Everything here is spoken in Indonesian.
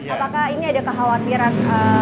apakah ini ada kekhawatiran